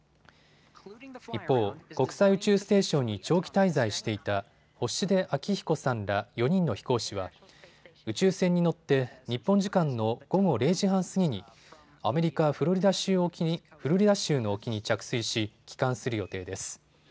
一方、国際宇宙ステーションに長期滞在していた星出彰彦さんら４人の飛行士は宇宙船に乗って日本時間の午後０時半過ぎにアメリカ・フロリダ州の沖に着水し、帰還する予定です。